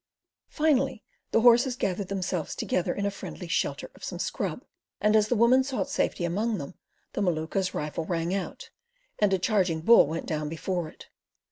Finally the horses gathered themselves together in the friendly shelter of some scrub, and as the woman sought safety among them, the Maluka's rifle rang out, and a charging bull went down before it.